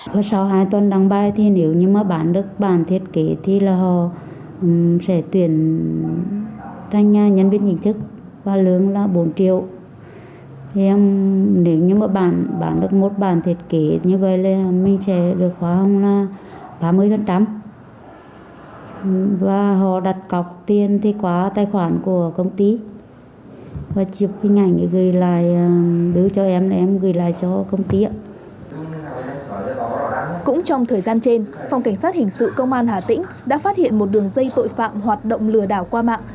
cũng trong thời gian trên phòng cảnh sát hình sự công an hà tĩnh đã phát hiện một đường dây tội phạm hoạt động lừa đảo qua mạng